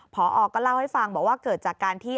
พอก็เล่าให้ฟังบอกว่าเกิดจากการที่